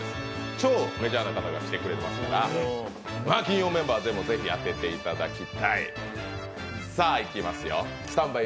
超メジャーな方が来てくれますから、これは金曜メンバー、ぜひ当てていただきたい。